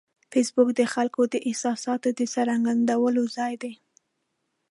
فېسبوک د خلکو د احساساتو د څرګندولو ځای دی